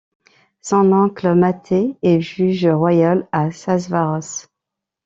Son oncle Máté est juge royal à Szászváros.